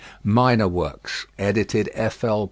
Minor works. Ed. F. L.